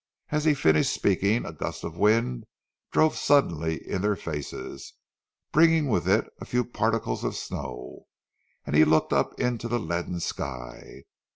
As he finished speaking a gust of wind drove suddenly in their faces, bringing with it a few particles of snow, and he looked up into the leaden sky.